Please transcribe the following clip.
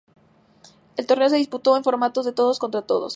El torneo se disputó en formato de todos contra todos.